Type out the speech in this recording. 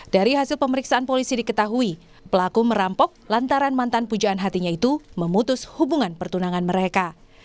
dari hasil pemeriksaan polisi diketahui pelaku merampok lantaran mantan pujaan hatinya itu memutus hubungan pertunangan mereka